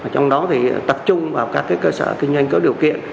trong đó tập trung vào các cơ sở kinh doanh có điều kiện